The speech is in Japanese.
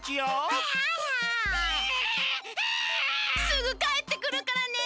すぐかえってくるからね。